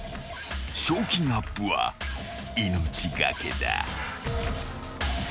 ［賞金アップは命懸けだ］